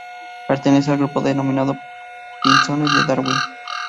Pertenece al grupo denominado pinzones de Darwin.